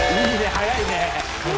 早いね。